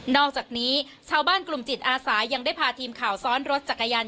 นอกจากชาวบ้านอาสายังได้พาทีมข่าวซ้อนรถจักรยานยนต์